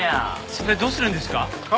それどうするんですか？